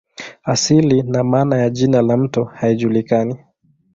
Asili na maana ya jina la mto haijulikani.